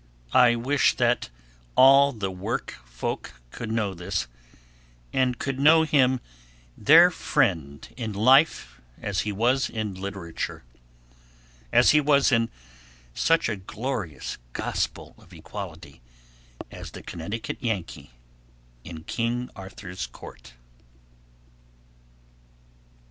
I wish that all the work folk could know this, and could know him their friend in life as he was in literature; as he was in such a glorious gospel of equality as the 'Connecticut Yankee in King Arthur's Court.'